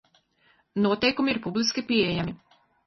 Noteikumi ir publiski pieejami.